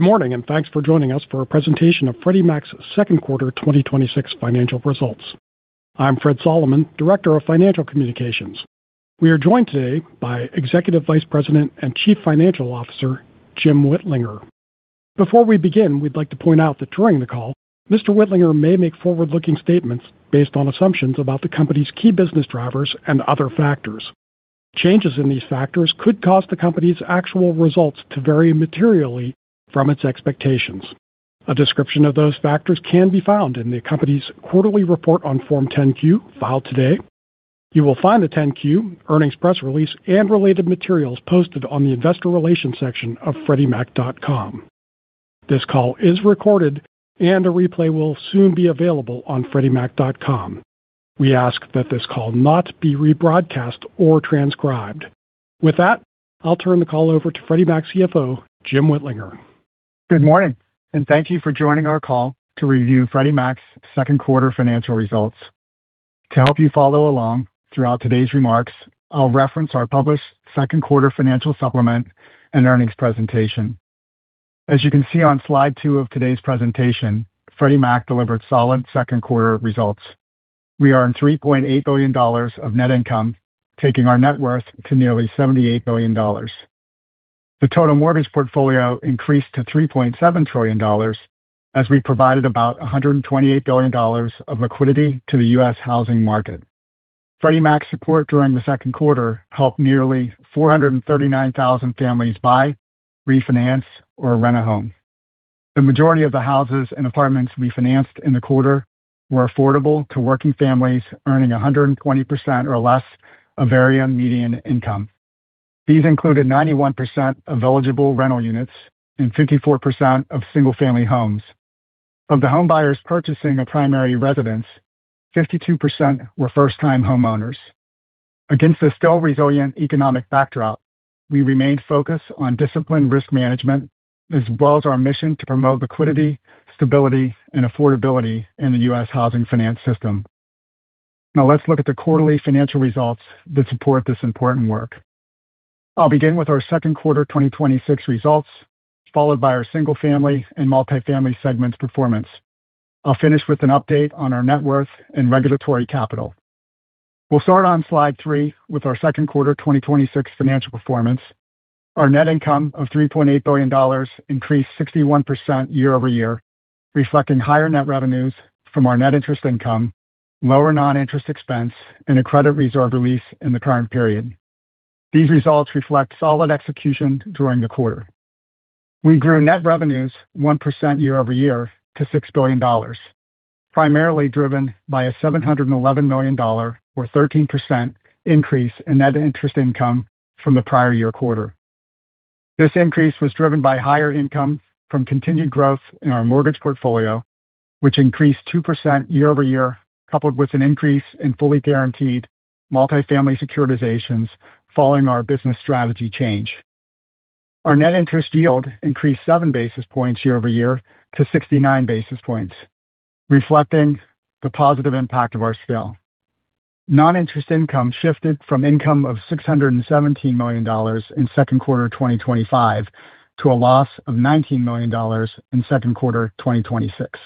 Good morning. Thanks for joining us for a presentation of Freddie Mac's second quarter 2026 financial results. I'm Fred Solomon, Director of Financial Communications. We are joined today by Executive Vice President and Chief Financial Officer, Jim Whitlinger. Before we begin, we'd like to point out that during the call, Mr. Whitlinger may make forward-looking statements based on assumptions about the company's key business drivers and other factors. Changes in these factors could cause the company's actual results to vary materially from its expectations. A description of those factors can be found in the company's quarterly report on Form 10-Q, filed today. You will find the 10-Q, earnings press release, and related materials posted on the investor relations section of freddiemac.com. This call is recorded. A replay will soon be available on freddiemac.com. We ask that this call not be rebroadcast or transcribed. With that, I'll turn the call over to Freddie Mac CFO, Jim Whitlinger. Good morning. Thank you for joining our call to review Freddie Mac's second quarter financial results. To help you follow along throughout today's remarks, I'll reference our published second quarter financial supplement and earnings presentation. As you can see on slide two of today's presentation, Freddie Mac delivered solid second-quarter results. We earned $3.8 billion of net income, taking our net worth to nearly $78 billion. The total mortgage portfolio increased to $3.7 trillion as we provided about $128 billion of liquidity to the U.S. housing market. Freddie Mac's support during the second quarter helped nearly 439,000 families buy, refinance, or rent a home. The majority of the houses and apartments we financed in the quarter were affordable to working families earning 120% or less of area median income. These included 91% of eligible rental units and 54% of single-family homes. Of the homebuyers purchasing a primary residence, 52% were first-time homeowners. Against a still resilient economic backdrop, we remain focused on disciplined risk management as well as our mission to promote liquidity, stability, and affordability in the U.S. housing finance system. Let's look at the quarterly financial results that support this important work. I'll begin with our second quarter 2026 results, followed by our single-family and multifamily segments performance. I'll finish with an update on our net worth and regulatory capital. We'll start on slide three with our second quarter 2026 financial performance. Our net income of $3.8 billion increased 61% year-over-year, reflecting higher net revenues from our net interest income, lower non-interest expense, and a credit reserve release in the current period. These results reflect solid execution during the quarter. We grew net revenues 1% year-over-year to $6 billion, primarily driven by a $711 million or 13% increase in net interest income from the prior year quarter. This increase was driven by higher income from continued growth in our mortgage portfolio, which increased 2% year-over-year, coupled with an increase in fully guaranteed multifamily securitizations following our business strategy change. Our net interest yield increased seven basis points year-over-year to 69 basis points, reflecting the positive impact of our scale. Non-interest income shifted from income of $617 million in Q2 2025 to a loss of $19 million in Q2 2026.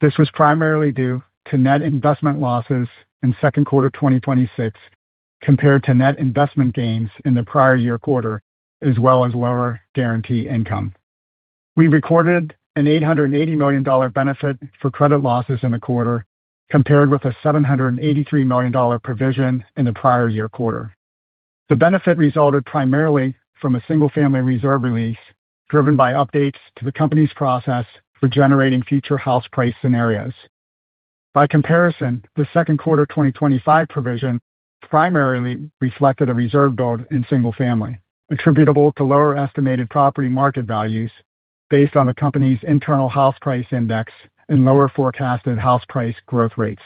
This was primarily due to net investment losses in Q2 2026, compared to net investment gains in the prior year quarter, as well as lower guarantee income. We recorded an $880 million benefit for credit losses in the quarter, compared with a $783 million provision in the prior year quarter. The benefit resulted primarily from a single-family reserve release, driven by updates to the company's process for generating future house price scenarios. By comparison, the Q2 2025 provision primarily reflected a reserve build in single-family, attributable to lower estimated property market values based on the company's internal house price index and lower forecasted house price growth rates.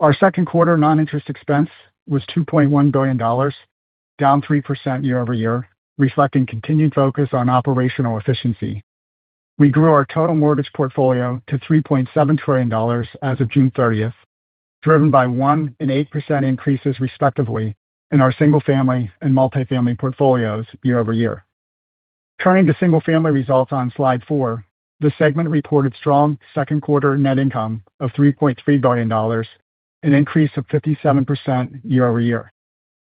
Our Q2 non-interest expense was $2.1 billion, down 3% year-over-year, reflecting continued focus on operational efficiency. We grew our total mortgage portfolio to $3.7 trillion as of June 30th, driven by 1% and 8% increases, respectively, in our single-family and multifamily portfolios year-over-year. Turning to single-family results on Slide four, the segment reported strong second quarter net income of $3.3 billion, an increase of 57% year-over-year.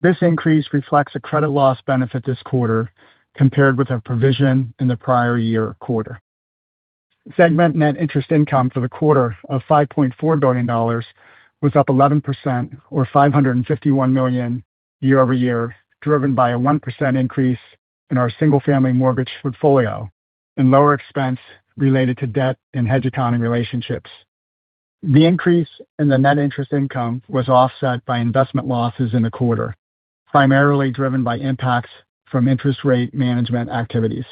This increase reflects a credit loss benefit this quarter compared with a provision in the prior year quarter. Segment net interest income for the quarter of $5.4 billion was up 11%, or $551 million year-over-year, driven by a 1% increase in our single-family mortgage portfolio and lower expense related to debt and hedge accounting relationships. The increase in the net interest income was offset by investment losses in the quarter, primarily driven by impacts from interest rate management activities.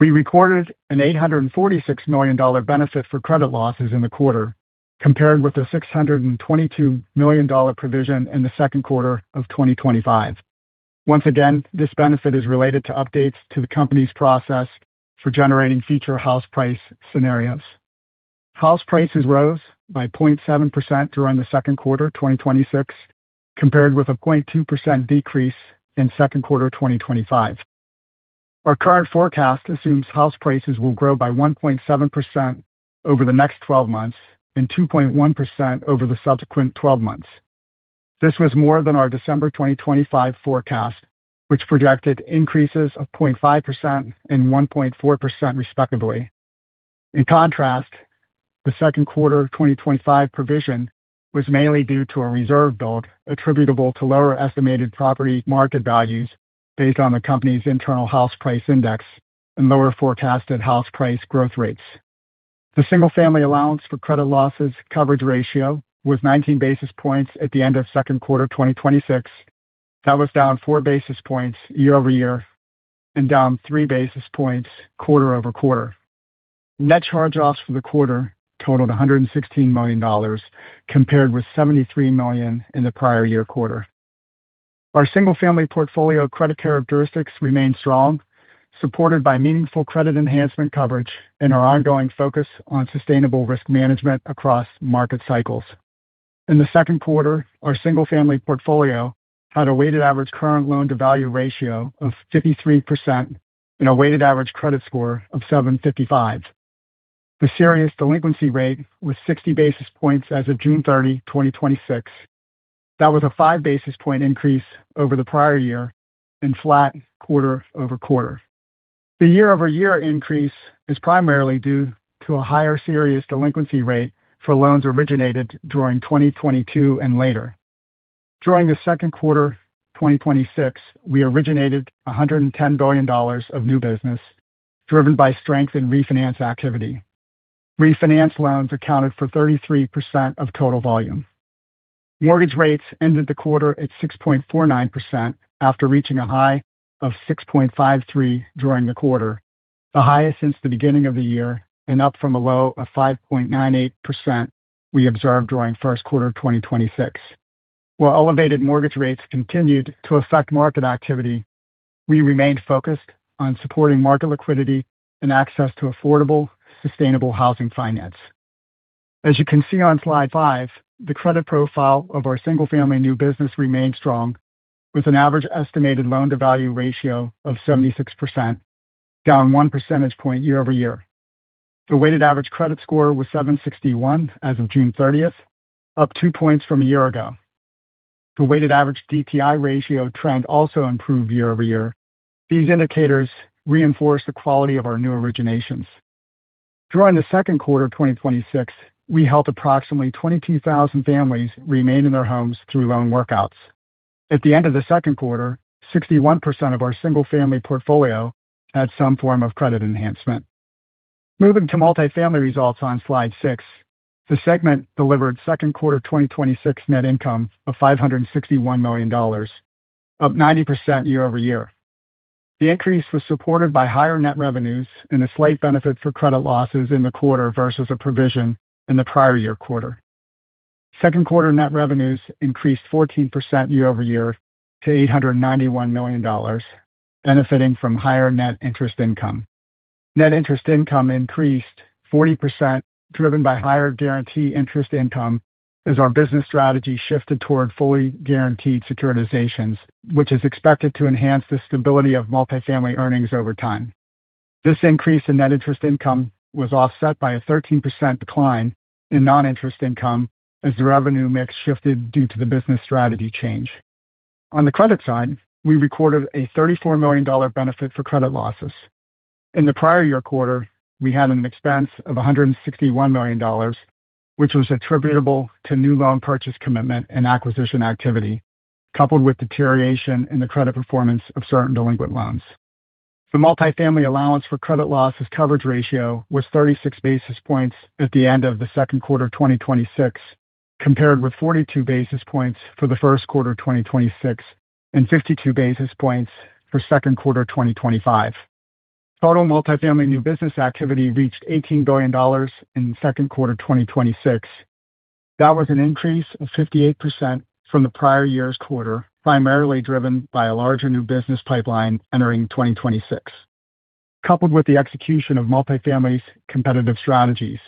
We recorded an $846 million benefit for credit losses in the quarter, compared with a $622 million provision in the second quarter of 2025. Once again, this benefit is related to updates to the company's process for generating future house price scenarios. House prices rose by 0.7% during the second quarter of 2026, compared with a 0.2% decrease in second quarter of 2025. Our current forecast assumes house prices will grow by 1.7% over the next 12 months and 2.1% over the subsequent 12 months. This was more than our December 2025 forecast, which projected increases of 0.5% and 1.4% respectively. In contrast, the second quarter of 2025 provision was mainly due to a reserve build attributable to lower estimated property market values based on the company's internal house price index and lower forecasted house price growth rates. The single-family allowance for credit losses coverage ratio was 19 basis points at the end of second quarter of 2026. That was down four basis points year-over-year and down three basis points quarter-over-quarter. Net charge-offs for the quarter totaled $116 million, compared with $73 million in the prior year quarter. Our single-family portfolio credit characteristics remain strong, supported by meaningful credit enhancement coverage and our ongoing focus on sustainable risk management across market cycles. In the second quarter, our single-family portfolio had a weighted average current loan-to-value ratio of 53% and a weighted average credit score of 755. The serious delinquency rate was 60 basis points as of June 30, 2026. That was a five basis point increase over the prior year and flat quarter-over-quarter. The year-over-year increase is primarily due to a higher serious delinquency rate for loans originated during 2022 and later. During the second quarter of 2026, we originated $110 billion of new business, driven by strength in refinance activity. Refinance loans accounted for 33% of total volume. Mortgage rates ended the quarter at 6.49% after reaching a high of 6.53% during the quarter, the highest since the beginning of the year and up from a low of 5.98% we observed during first quarter of 2026. While elevated mortgage rates continued to affect market activity, we remained focused on supporting market liquidity and access to affordable, sustainable housing finance. As you can see on slide five, the credit profile of our single-family new business remained strong with an average estimated loan-to-value ratio of 76%, down one percentage point year-over-year. The weighted average credit score was 761 as of June 30th, up two points from a year ago. The weighted average DTI ratio trend also improved year-over-year. These indicators reinforce the quality of our new originations. During the second quarter of 2026, we helped approximately 22,000 families remain in their homes through loan workouts. At the end of the second quarter, 61% of our single-family portfolio had some form of credit enhancement. Moving to multifamily results on slide six, the segment delivered second quarter 2026 net income of $561 million, up 90% year-over-year. The increase was supported by higher net revenues and a slight benefit for credit losses in the quarter versus a provision in the prior year quarter. Second quarter net revenues increased 14% year-over-year to $891 million, benefiting from higher net interest income. Net interest income increased 40%, driven by higher guarantee interest income as our business strategy shifted toward fully guaranteed securitizations, which is expected to enhance the stability of multifamily earnings over time. This increase in net interest income was offset by a 13% decline in non-interest income as the revenue mix shifted due to the business strategy change. On the credit side, we recorded a $34 million benefit for credit losses. In the prior year quarter, we had an expense of $161 million, which was attributable to new loan purchase commitment and acquisition activity, coupled with deterioration in the credit performance of certain delinquent loans. The multifamily allowance for credit losses coverage ratio was 36 basis points at the end of the second quarter of 2026, compared with 42 basis points for the first quarter of 2026 and 52 basis points for second quarter of 2025. Total multifamily new business activity reached $18 billion in second quarter of 2026. That was an increase of 58% from the prior year's quarter, primarily driven by a larger new business pipeline entering 2026. Coupled with the execution of multifamily's competitive strategies.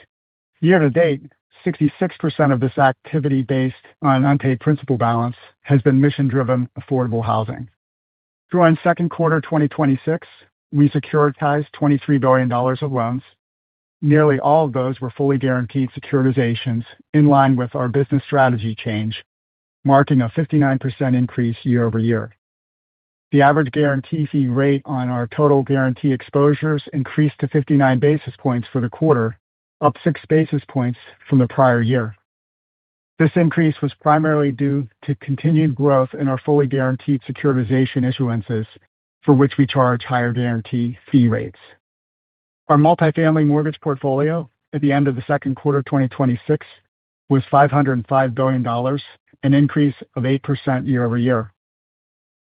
Year-to-date, 66% of this activity based on unpaid principal balance has been mission-driven affordable housing. During second quarter of 2026, we securitized $23 billion of loans. Nearly all of those were fully guaranteed securitizations in line with our business strategy change, marking a 59% increase year-over-year. The average guarantee fee rate on our total guarantee exposures increased to 59 basis points for the quarter, up six basis points from the prior year. This increase was primarily due to continued growth in our fully guaranteed securitization issuances for which we charge higher guarantee fee rates. Our multifamily mortgage portfolio at the end of the second quarter 2026 was $505 billion, an increase of 8% year-over-year.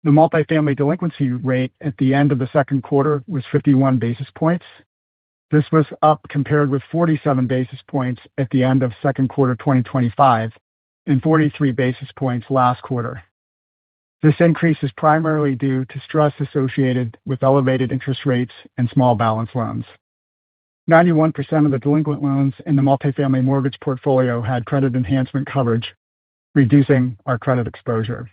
The multifamily delinquency rate at the end of the second quarter was 51 basis points. This was up compared with 47 basis points at the end of second quarter 2025 and 43 basis points last quarter. This increase is primarily due to stress associated with elevated interest rates and small balance loans. 91% of the delinquent loans in the multifamily mortgage portfolio had credit enhancement coverage, reducing our credit exposure.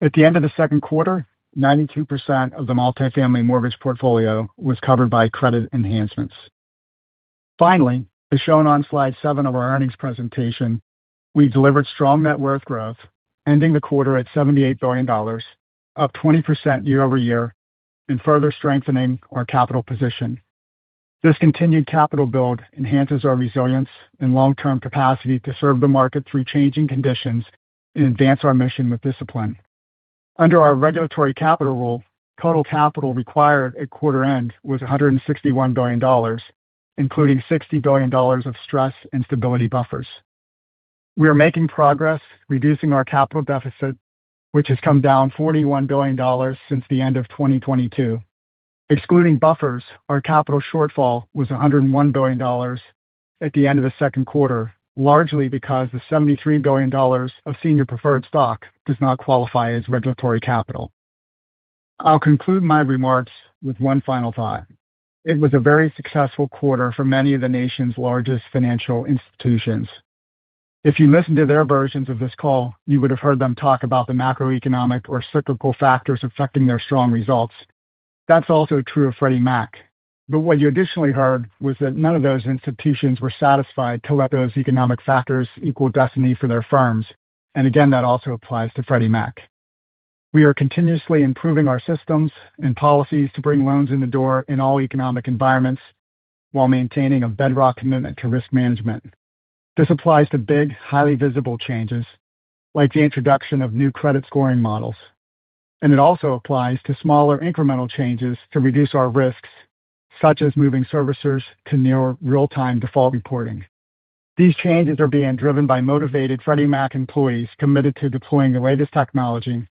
At the end of the second quarter, 92% of the multifamily mortgage portfolio was covered by credit enhancements. Finally, as shown on slide seven of our earnings presentation, we delivered strong net worth growth, ending the quarter at $78 billion, up 20% year-over-year, and further strengthening our capital position. This continued capital build enhances our resilience and long-term capacity to serve the market through changing conditions and advance our mission with discipline. Under our regulatory capital rule, total capital required at quarter end was $161 billion, including $60 billion of stress and stability buffers. We are making progress reducing our capital deficit, which has come down $41 billion since the end of 2022. Excluding buffers, our capital shortfall was $101 billion at the end of the second quarter, largely because the $73 billion of senior preferred stock does not qualify as regulatory capital. I'll conclude my remarks with one final thought. It was a very successful quarter for many of the nation's largest financial institutions. If you listen to their versions of this call, you would have heard them talk about the macroeconomic or cyclical factors affecting their strong results. That's also true of Freddie Mac. What you additionally heard was that none of those institutions were satisfied to let those economic factors equal destiny for their firms. Again, that also applies to Freddie Mac. We are continuously improving our systems and policies to bring loans in the door in all economic environments while maintaining a bedrock commitment to risk management. This applies to big, highly visible changes, like the introduction of new credit scoring models, and it also applies to smaller, incremental changes to reduce our risks, such as moving servicers to nearer real-time default reporting. These changes are being driven by motivated Freddie Mac employees committed to deploying the latest technology,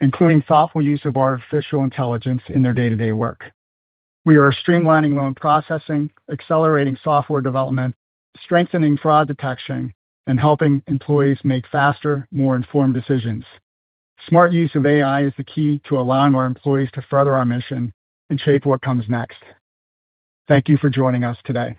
including thoughtful use of artificial intelligence in their day-to-day work. We are streamlining loan processing, accelerating software development, strengthening fraud detection, and helping employees make faster, more informed decisions. Smart use of AI is the key to allowing our employees to further our mission and shape what comes next. Thank you for joining us today.